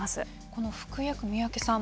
この服薬、三宅さん